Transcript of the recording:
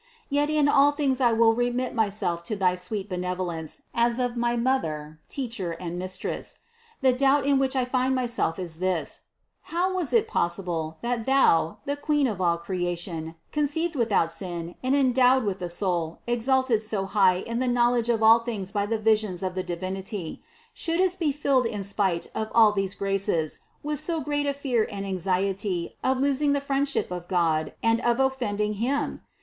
Yet in all things I will remit myself to thy sweet benevolence as of my Mother, Teacher and Mistress. The doubt in which I find myself is this: How was it possible, that Thou, the Queen of all cre ation, conceived without sin and endowed with a soul exalted so high in the knowledge of all things by the visions of the Divinity, shouldst be filled in spite of all these graces, with so great a fear and anxiety of losing the friendship of God and of offending Him?